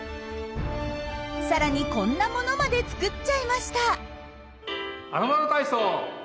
さらにこんなものまで作っちゃいました。